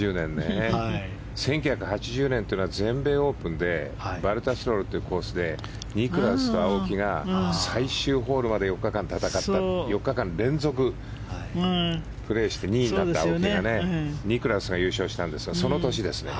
１９８０年というのは全米オープンでバルタスロールというコースでニクラウスと青木が最終ホールまで４日間戦って４日間連続してプレーして２位だった、青木がニクラウスが優勝した年ですね。